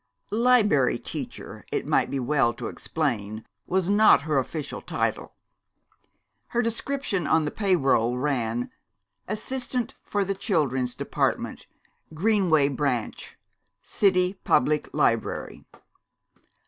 "Liberry Teacher," it might be well to explain, was not her official title. Her description on the pay roll ran "Assistant for the Children's Department, Greenway Branch, City Public Library."